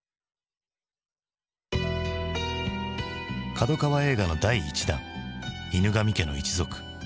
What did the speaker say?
角川映画の第１弾「犬神家の一族」。